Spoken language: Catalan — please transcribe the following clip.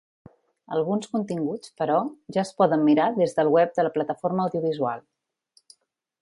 Alguns continguts, però, ja es poden mirar des del web de la plataforma audiovisual.